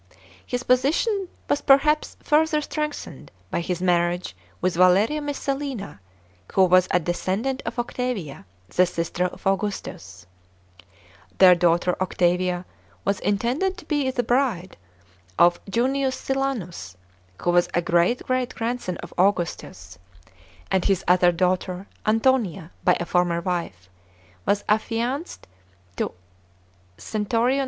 • His position was perhaps further strengthened by his marriage with Valeria Messalina, who was a descendant of Octavia, the sister of Augustus.* Their daughter Octavia was intended to be the bride of L. Junius Silanus, who was a great great grandson of Augustus; and his other daughter, Antonia, by a former wife, was affianced to Cn.